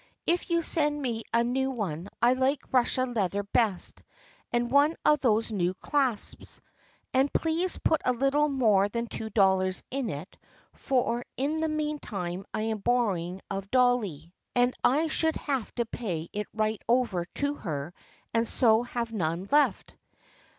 If you send me a new one I like Russia leather best, and one of those new clasps. And please put a little more than two dollars in it for in the meantime I am borrowing of Dolly, and I should have to pay it right over to her and so have none left.